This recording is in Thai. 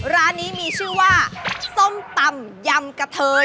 ร้านนี้มีชื่อว่าส้มตำยำกะเทย